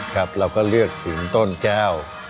ครับเราก็เลือกถึงต้นแก้ว